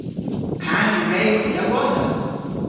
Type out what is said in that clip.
Pandr'a wrewgh hwi a-wosa?